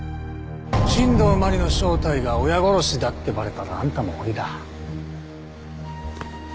新道真理の正体が親殺しだってバレたらあんたも終わりだ。